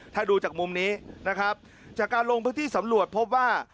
ถ้าดูจากมุมนี้นะครับจากการลงพื้นที่สำรวจพบว่า